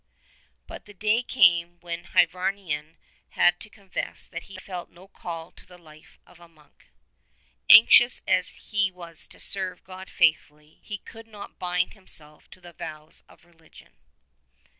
But the day came when Hyvarnion had to confess that he felt no call to the life of a monk. Anxious as he was to serve God faithfully he could not bind himself by the vows of religion.